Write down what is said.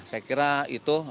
saya kira itu